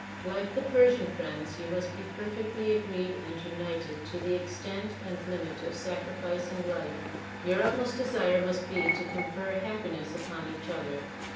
Like the Persian friends you must be per fectly agreed and united to the extent and limit of sacrificing life. Your utmost desire must be to confer happiness upon each other.